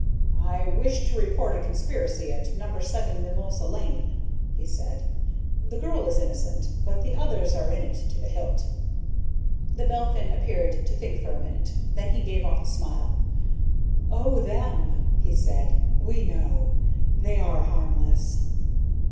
"I wish to report a conspiracy at No. 7 Mimosa Lane," he said. "The girl is innocent, but the others are in it to the hilt." The Belphin appeared to think for a minute. Then he gave off a smile. "Oh, them," he said. "We know. They are harmless."